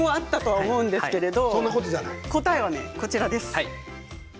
答えはこちらです。